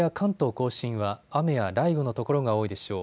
甲信は雨や雷雨の所が多いでしょう。